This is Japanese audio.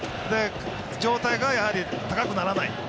上体が高くならない。